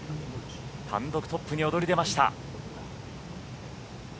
単独トップに躍り出ました。